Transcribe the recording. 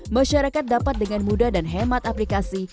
masyarakat dapat dengan mudah dan hemat aplikasi